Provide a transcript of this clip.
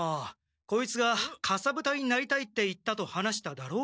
こいつが「かさぶたになりたい」って言ったと話しただろう？